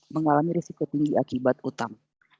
mengalami risiko tinggi akibat utang